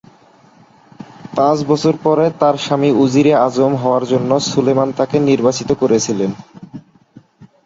পাঁচ বছর পরে, তার স্বামী উজিরে আজম হওয়ার জন্য সুলেমান তাকে নির্বাচিত করেছিলেন।